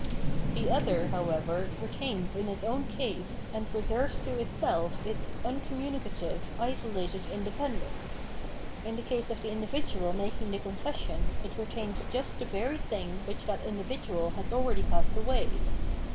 The other, however, retains in its own case and reserves to itself its uncom municative, isolated independence : in the case of the individual making the confession it retains just the very thing which that individual has already cast away.